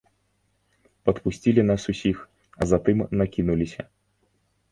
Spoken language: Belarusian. Падпусцілі нас усіх, а затым накінуліся.